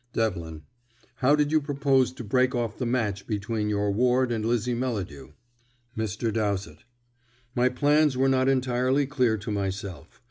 Devlin: "How did you propose to break off the match between your ward and Lizzie Melladew?" Mr. Dowsett: "My plans were not entirely clear to myself.